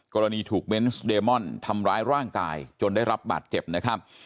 กรณีถูกเบนส์เดมอนทำร้ายร่างกายจนได้รับบาดเจ็บนะครับ